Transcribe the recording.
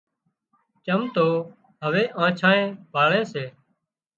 چم تو هوَي آنڇانئي ڀاۯي سي